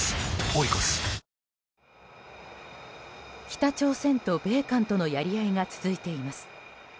北朝鮮と米韓とのやり合いが続いています。